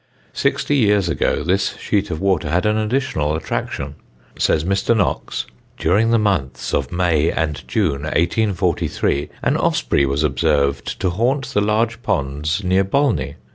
Sixty years ago this sheet of water had an additional attraction. Says Mr. Knox, "During the months of May and June, 1843, an osprey was observed to haunt the large ponds near Bolney.